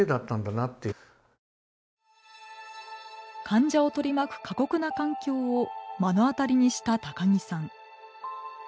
患者を取り巻く過酷な環境を目の当たりにした高木さん。